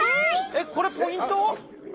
えっこれポイント？